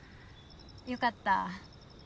よかった。